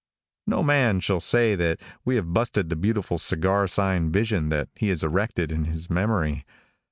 No man shall ever say that we have busted the beautiful Cigar Sign Vision that he has erected in his memory.